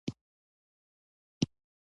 اقلیم د افغان ځوانانو لپاره دلچسپي لري.